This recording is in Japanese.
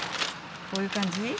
こういう感じ。